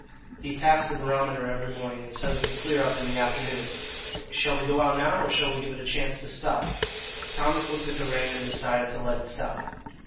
"He taps the barometer every morning, and says it will clear up in the afternoon. Shall we go out now, or shall we give it a chance to stop?" Thomas looked at the rain and decided to let it stop.